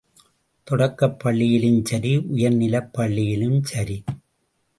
தொடக்கப்பள்ளியிலுஞ்சரி உயர்நிலைப் பள்ளியிலும் சரி.